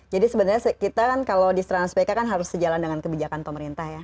jadi sebenarnya kita kan kalau di sejalanan sebaiknya kan harus sejalan dengan kebijakan pemerintah ya